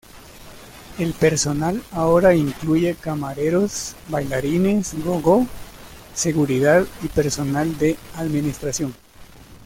El personal ahora incluye camareros, bailarines go-go, seguridad y personal de administración.